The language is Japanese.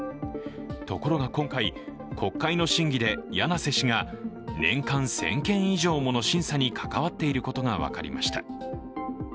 ところが今回、国会の審議で柳瀬氏が年間１０００件以上もの審査に関わっていることが分かりました。